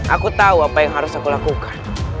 aku tahu apa yang harus aku lakukan